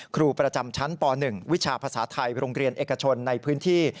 ครูประจำชั้นป๑วิชาภาษาไทยโรงเรียนเอกชนในพื้นที่